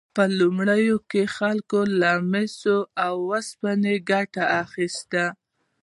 په لومړیو کې خلکو له مسو او اوسپنې ګټه اخیسته.